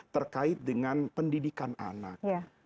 terkait dengan pendidikan anak